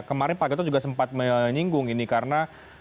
kemarin pak gatot juga sempat menyinggung ini karena